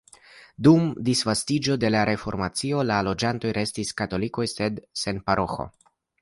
Dum disvastiĝo de la reformacio la loĝantoj restis katolikoj sed sen paroĥo.